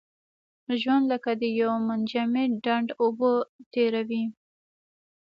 ژوند لکه د یو منجمد ډنډ اوبه تېروي.